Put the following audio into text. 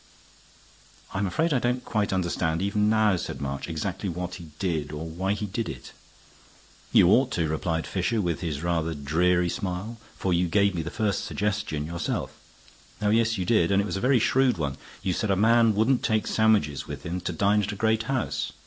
"I'm afraid I don't quite understand even now," said March, "exactly what he did or why he did it." "You ought to," replied Fisher, with his rather dreary smile, "for you gave me the first suggestion yourself. Oh yes, you did; and it was a very shrewd one. You said a man wouldn't take sandwiches with him to dine at a great house.